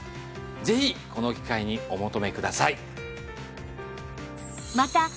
ぜひこの機会にお求めください。